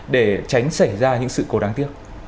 để tránh xảy ra những sự cố đáng tiếc